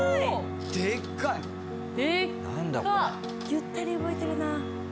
ゆったり動いてるな。